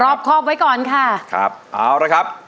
รอบครอบไว้ก่อนค่ะครับเอาละครับ